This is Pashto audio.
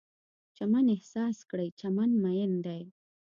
چمن احساس کړئ، چمن میین دی